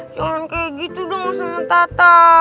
jangan kayak gitu dong sama tata